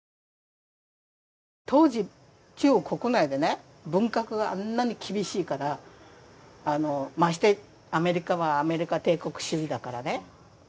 当時中国国内でね文革があんなに厳しいからましてアメリカはアメリカ帝国主義だからね